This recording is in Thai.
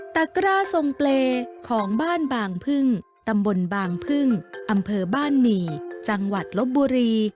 กร้าทรงเปรย์ของบ้านบางพึ่งตำบลบางพึ่งอำเภอบ้านหมี่จังหวัดลบบุรี